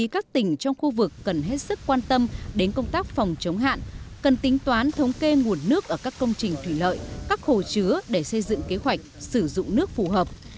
các tỉnh trong khu vực cần hết sức quan tâm đến công tác phòng chống hạn cần tính toán thống kê nguồn nước ở các công trình thủy lợi các hồ chứa để xây dựng kế hoạch sử dụng nước phù hợp